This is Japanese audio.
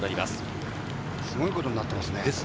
すごいことになってますね。